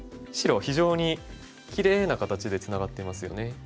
白は非常にきれいな形でツナがっていますよね。